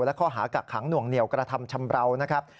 และข้อหากักขังหน่วงเหนียวกระทำชำราวนะครับ